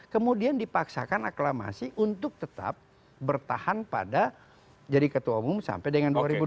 kemudian dipaksakan aklamasi untuk tetap bertahan pada jadi ketua umum sampai dengan dua ribu dua puluh